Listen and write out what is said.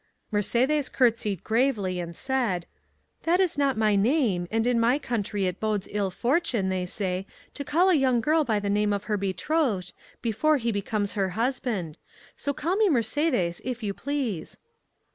Mercédès courtesied gravely, and said—"That is not my name, and in my country it bodes ill fortune, they say, to call a young girl by the name of her betrothed before he becomes her husband. So call me Mercédès, if you please."